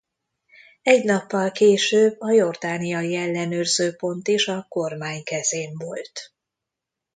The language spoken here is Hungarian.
Egy nappal később a jordániai ellenőrző pont is a kormány kezén volt.